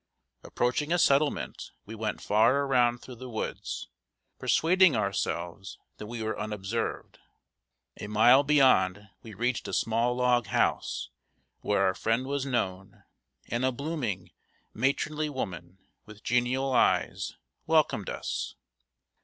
Approaching a settlement, we went far around through the woods, persuading ourselves that we were unobserved. A mile beyond we reached a small log house, where our friend was known, and a blooming, matronly woman, with genial eyes, welcomed us.